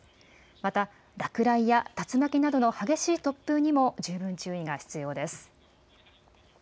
また、落雷や竜巻などの激しい突風にも十分注意が必要です。